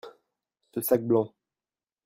Ce sac blanc.